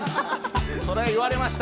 それ言われました、